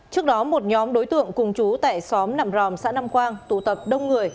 trước đó một nhóm đối tượng cùng chú tại xóm nạm ròm xã nam quang tụ tập đông người